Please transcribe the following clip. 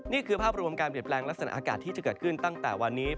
นี่คือภาพรวมการเปลี่ยนแปลงลักษณะอากาศที่จะเกิดขึ้นตั้งแต่วันนี้